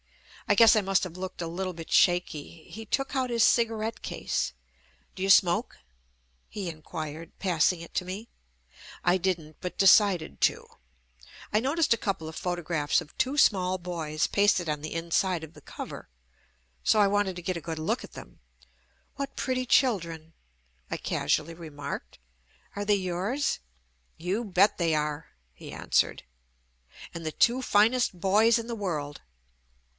I guess I must have looked a little bit shaky. He took out his cigarette case. "Do you smoke?" he inquired, passing it to me. I didn't, but de cided to — I noticed a couple of photographs of two small boys pasted on the inside of the cover, so I wanted to get a good look at them. "What pretty children," I casually remarked. "Are they yours?" "You bet they are," he answered. "And the two finest boys in the world."